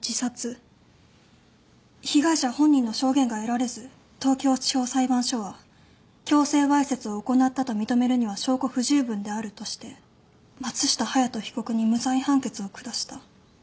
被害者本人の証言が得られず東京地方裁判所は強制わいせつを行ったと認めるには証拠不十分であるとして松下隼人被告に無罪判決を下した。